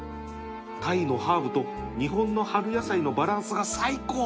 タイのハーブと日本の春野菜のバランスが最高！